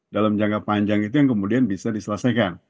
dalam jangka panjang itu yang kemudian bisa diselesaikan